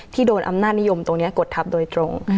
โดนอำนาจนิยมตรงนี้กดทัพโดยตรง